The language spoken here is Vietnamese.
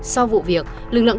sau vụ việc lực lượng